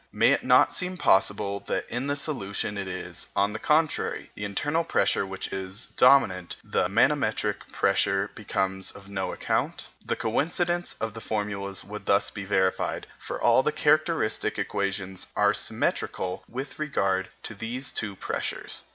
May it not seem possible that in the solution it is, on the contrary, the internal pressure which is dominant, the manometric pressure becoming of no account? The coincidence of the formulas would thus be verified, for all the characteristic equations are symmetrical with regard to these two pressures.